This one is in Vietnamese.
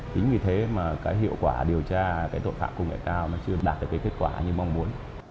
chính vì thế mà cái hiệu quả điều tra cái tội phạm công nghệ cao nó chưa đạt được cái kết quả như mong muốn